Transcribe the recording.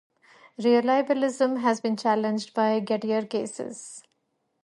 Reliabilism has been challenged by Gettier cases.